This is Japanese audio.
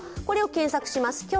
これを検索します。